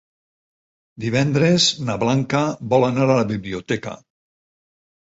Divendres na Blanca vol anar a la biblioteca.